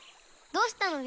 どうしたの？